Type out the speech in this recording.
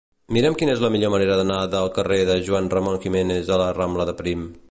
Mira'm quina és la millor manera d'anar del carrer de Juan Ramón Jiménez a la rambla de Prim.